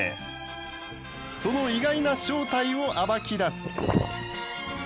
その意外な正体を暴き出す！